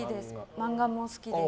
漫画も好きです。